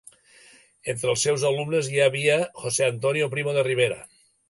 Entre els seus alumnes hi havia José Antonio Primo de Rivera.